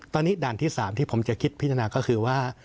ตอนนี้ด่านที่๓ที่ผมจะคิดพิจารณาก็คือว่า